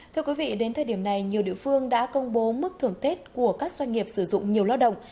thưa quý vị đến thời điểm này nhiều địa phương đã công bố mức thưởng tết của các doanh nghiệp sử dụng nhiều lao động